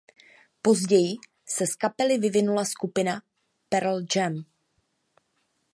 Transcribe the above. Později se z kapely vyvinula skupina Pearl Jam.